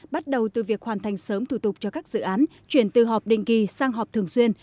bắt đầu từ việc hoàn thành sớm thủ tục cho các dự án chuyển từ họp định kỳ sang họp thường xuyên